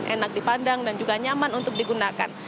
enak dipandang dan juga nyaman untuk digunakan